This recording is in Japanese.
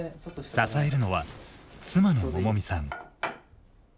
支えるのは妻の百美さん。